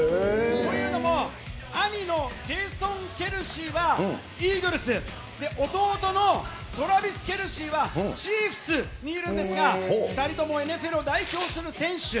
というのも、兄のジェイソン・ケルシーはイーグルス、弟のトラビス・ケルシーはチーフスにいるんですが、２人ともＮＦＬを代表する選手。